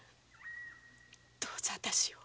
どうぞ私を。